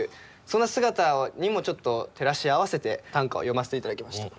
その姿にもちょっと照らし合わせて短歌を詠ませて頂きました。